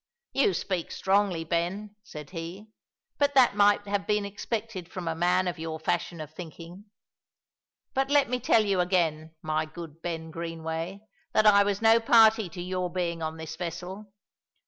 "You speak strongly, Ben," said he, "but that might have been expected from a man of your fashion of thinking. But let me tell you again, my good Ben Greenway, that I was no party to your being on this vessel.